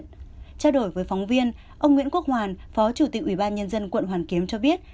trao đổi với phóng viên ông nguyễn quốc hoàn phó chủ tịch ủy ban nhân dân quận hoàn kiếm cho biết